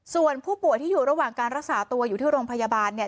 ส่วนผู้ป่วยที่อยู่ระหว่างการรักษาตัวอยู่ที่โรงพยาบาลเนี่ย